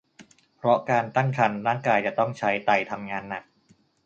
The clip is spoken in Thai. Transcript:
เพราะการตั้งครรภ์ร่างกายจะต้องใช้ไตทำงานหนัก